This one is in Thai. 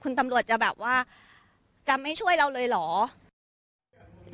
คุณตำรวจจะแบบว่าจะไม่ช่วยเราเลยเหรอ